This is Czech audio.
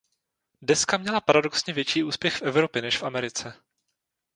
Deska měla paradoxně větší úspěch v Evropě než v Americe.